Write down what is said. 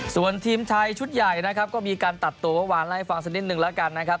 ส่วนทีมชายชุดใหญ่นะครับก็มีการตัดตัวเมื่อวานเล่าให้ฟังสักนิดนึงแล้วกันนะครับ